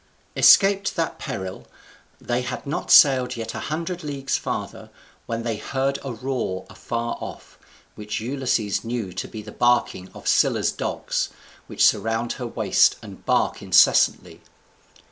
] Escaped that peril, they had not sailed yet a hundred leagues farther, when they heard a roar afar off, which Ulysses knew to be the barking of Scylla's dogs, which surround her waist, and bark incessantly.